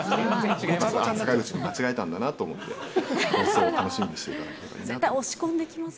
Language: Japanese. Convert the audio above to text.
あっ、坂口君間違えたんだなと思って、放送を楽しみにしていただけたらいいなと思います。